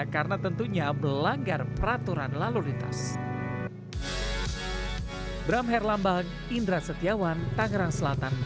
karena tentunya melanggar peraturan lalu lintas